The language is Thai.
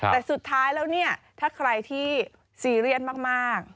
แต่สุดท้ายแล้วเนี่ยถ้าใครที่ซีเรียสมาก